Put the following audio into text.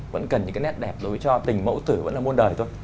vẫn cần những cái nét đẹp đối với cho tình mẫu tử vẫn là môn đời thôi